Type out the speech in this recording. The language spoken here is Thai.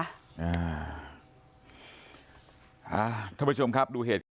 อ่าท่านผู้ชมครับดูเหตุ